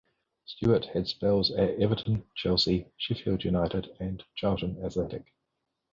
Stuart had spells at Everton, Chelsea, Sheffield United and Charlton Athletic.